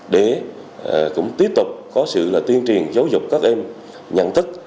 để cũng tiếp tục có sự tuyên truyền giáo dục các em nhận thức